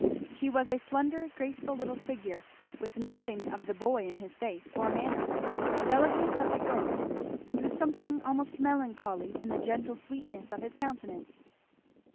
He was a slender graceful little figure, with nothing of the boy in his face or manner; delicate as a girl, and with something almost melancholy in the gentle sweetness of his countenance.